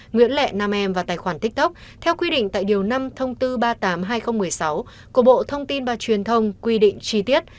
nguyễn lệ nam em vào tài khoản tiktok theo quy định tại điều năm thông tư ba mươi tám hai nghìn một mươi sáu của bộ thông tin và truyền thông quy định chi tiết